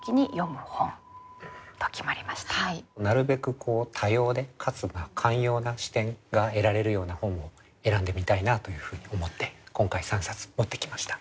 なるべく多様でかつ寛容な視点が得られるような本を選んでみたいなというふうに思って今回３冊持ってきました。